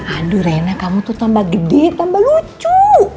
aduh rena kamu tuh tambah gede tambah lucu